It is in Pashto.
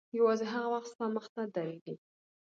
یوازې هغه وخت ستا مخته درېږي.